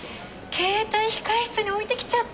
携帯控室に置いてきちゃった。